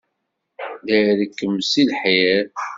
La irekkem seg lḥir.